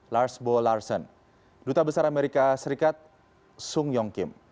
larsbo larsen duta besar amerika serikat sung yong kim